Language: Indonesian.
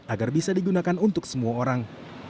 agar bisa digunakan untuk semua orang